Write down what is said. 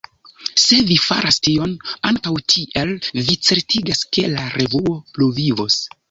Se vi faras tion, ankaŭ tiel vi certigas, ke la revuo pluvivos.